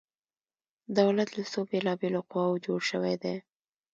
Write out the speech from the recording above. دولت له څو بیلا بیلو قواو جوړ شوی دی؟